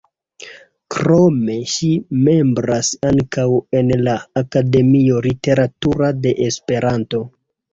Krome, ŝi membras ankaŭ en la Akademio Literatura de Esperanto.